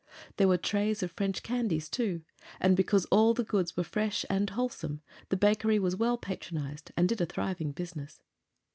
There were trays of French candies, too; and because all the goods were fresh and wholesome the bakery was well patronized and did a thriving business.